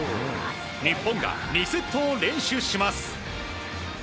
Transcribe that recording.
日本が、２セットを連取します。